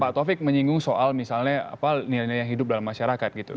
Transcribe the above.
pak tovik menyinggung soal misalnya nilainya hidup dalam masyarakat gitu